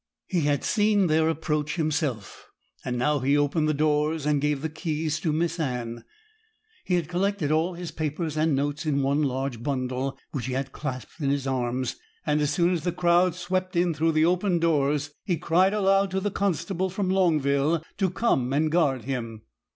He had seen their approach himself, and now he opened the doors, and gave the keys to Miss Anne. He had collected all his papers and notes in one large bundle, which he had clasped in his arms; and as soon as the crowd swept in through the open doors, he cried aloud to the constable from Longville to come and guard him.